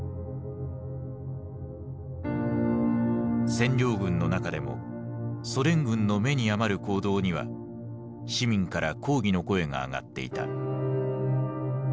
占領軍の中でもソ連軍の目に余る行動には市民から抗議の声が上がっていた。